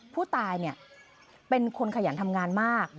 ผู้ตายเป็นคนขยันทำงานมาก